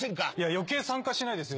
余計参加しないですよ。